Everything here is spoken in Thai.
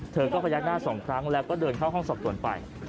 เธอก็พยักหน้า๒ครั้งแล้วก็เดินเข้าห้องสอบสวนไป